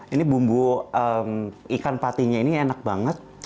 ini bumbu ikan patinya ini enak banget